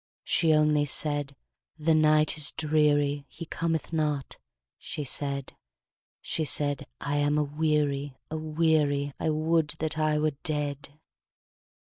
She only said, 'The night is dreary, He cometh not,' she said; She said, 'I am aweary, aweary, I would that I were dead!'